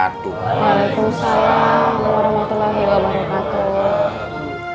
waalaikumsalam warahmatullahi wabarakatuh